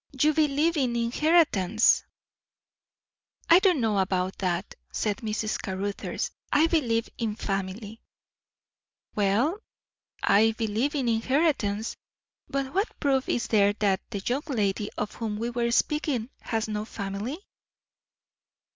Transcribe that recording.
"You believe in inheritance." "I don't know about that," said Mrs. Caruthers. "I believe in family." "Well, I believe in inheritance. But what proof is there that the young lady of whom we were speaking has no family?"